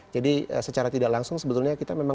jadi secara tidak langsung sebetulnya kita memang